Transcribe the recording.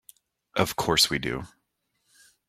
Of course we do.